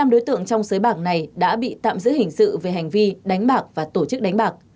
bốn mươi năm đối tượng trong xới bạc này đã bị tạm giữ hình sự về hành vi đánh bạc và tổ chức đánh bạc